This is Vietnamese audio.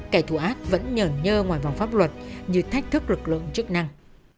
kẻ thù ác vẫn nhờn nhơ ngoài vòng pháp luật như thách thức lực lượng chức năng